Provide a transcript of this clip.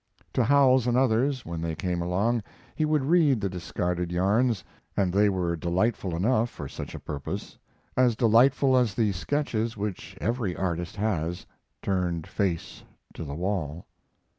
To Howells and others, when they came along, he would read the discarded yarns, and they were delightful enough for such a purpose, as delightful as the sketches which every artist has, turned face to the wall.